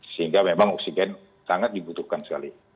sehingga memang oksigen sangat dibutuhkan sekali